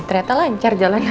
ternyata lancar jalanannya